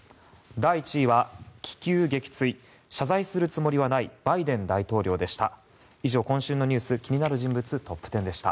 第１位は、気球撃墜謝罪するつもりはないバイデン大統領でした。